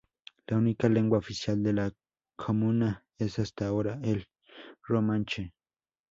La única lengua oficial de la comuna es hasta ahora el romanche.